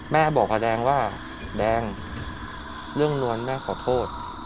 แม่บอกกับแดงว่าแดงเรื่องนวลแม่ขอโทษ